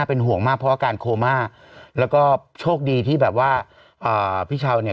เป็นห่วงมากเพราะอาการโคม่าแล้วก็โชคดีที่แบบว่าอ่าพี่เช้าเนี่ย